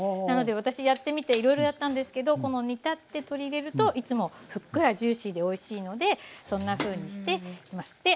なので私やってみていろいろやったんですけどこの煮立って鶏入れるといつもふっくらジューシーでおいしいのでそんなふうにしています。